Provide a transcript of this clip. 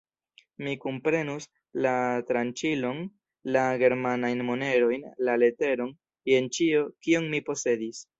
Mi kunprenus: la tranĉilon, la germanajn monerojn, la leteron, jen ĉio, kion mi posedis.